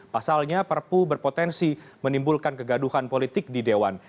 pasalnya perpu berpotensi menimbulkan kegaduhan politik di dewan